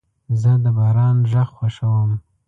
زه د باران غږ خوښوم.